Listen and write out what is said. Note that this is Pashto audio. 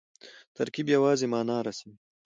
ترکیب یوازي مانا رسوي.